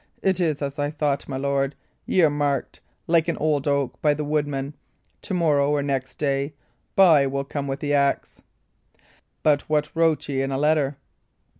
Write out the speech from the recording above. It is as I thought, my lord; y' are marked, like an old oak, by the woodman; to morrow or next day, by will come the axe. But what wrote ye in a letter?"